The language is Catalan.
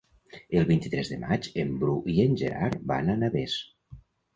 El vint-i-tres de maig en Bru i en Gerard van a Navès.